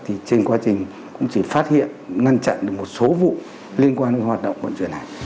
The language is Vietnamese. thì trên quá trình cũng chỉ phát hiện ngăn chặn được một số vụ liên quan đến hoạt động vận chuyển này